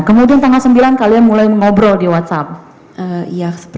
kemudian tanggal sembilan kalian mulai mengobrol di whatsapp